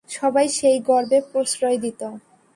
সবাই সেই গর্বে প্রশ্রয় দিত।